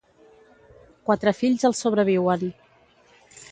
Quatre fills el sobreviuen.